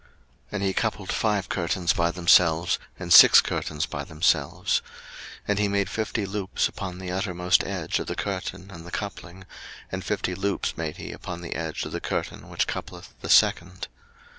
02:036:016 And he coupled five curtains by themselves, and six curtains by themselves. 02:036:017 And he made fifty loops upon the uttermost edge of the curtain in the coupling, and fifty loops made he upon the edge of the curtain which coupleth the second.